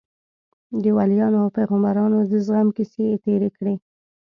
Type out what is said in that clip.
د وليانو او پيغمبرانو د زغم کيسې يې تېرې کړې.